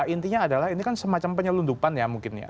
intinya adalah ini kan semacam penyelundupan ya mungkin ya